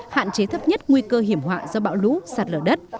hạn chế thấp nhất nguy cơ hiểm họa do bão lũ sạt lở đất